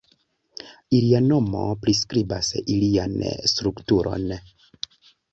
Ilia nomo priskribas ilian strukturon.